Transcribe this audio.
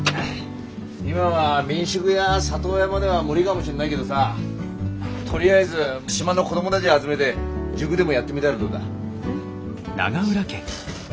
今は民宿や里親までは無理がもしんないげどさとりあえず島の子どもたぢ集めて塾でもやってみだらどうだ？え。